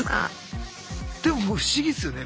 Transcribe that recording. でも不思議ですよね。